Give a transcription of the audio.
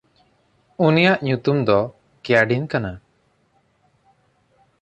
ᱩᱱᱤᱭᱟᱜ ᱧᱩᱛᱩᱢ ᱫᱚ ᱠᱮᱭᱟᱰᱭᱤᱱ ᱠᱟᱱᱟ᱾